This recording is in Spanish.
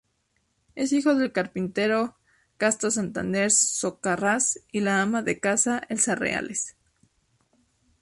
Es hijo del carpintero Casto Santander Socarrás y la ama de casa Elsa Reales.